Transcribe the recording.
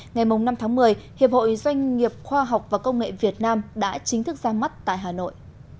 ngày năm tháng một mươi hiệp hội doanh nghiệp khoa học và công nghệ việt nam đã chính thức ra mắt tại hà nội